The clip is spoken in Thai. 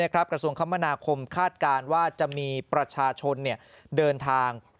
กระทรวงคมนาคมคาดการณ์ว่าจะมีประชาชนเดินทาง